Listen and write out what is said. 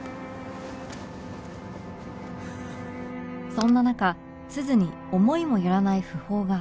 そんな中鈴に思いもよらない訃報が